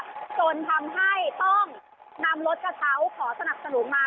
จนทำให้ต้องนำรถกระเช้าขอสนับสนุนมา